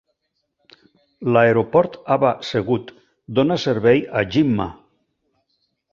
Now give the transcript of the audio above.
L'aeroport Aba Segud dona servei a Jimma.